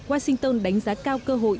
washington đánh giá cao cơ hội